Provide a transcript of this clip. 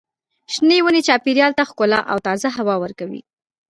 شنې ونې چاپېریال ته ښکلا او تازه هوا ورکوي.